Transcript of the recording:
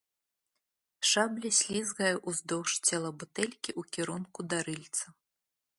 Шабля слізгае ўздоўж цела бутэлькі ў кірунку да рыльца.